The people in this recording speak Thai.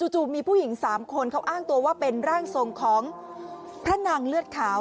จู่มีผู้หญิง๓คนเขาอ้างตัวว่าเป็นร่างทรงของพระนางเลือดขาว